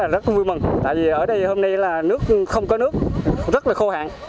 rất vui mừng tại vì ở đây hôm nay là nước không có nước rất là khô hạn